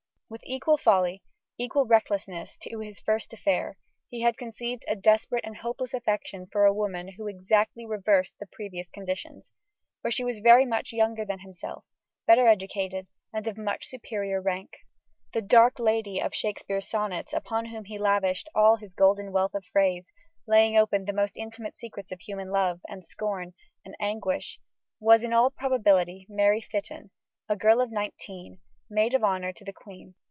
With equal folly, equal recklessness, to his first affair, he had conceived a desperate and hopeless affection for a woman who exactly reversed the previous conditions for she was very much younger than himself, better educated, and of much superior rank. The "dark lady" of Shakespeare's sonnets, upon whom he lavished all his golden wealth of phrase, laying open the most intimate secrets of human love, and scorn, and anguish was (in all probability) Mary Fitton, a girl of nineteen, maid of honour to the Queen.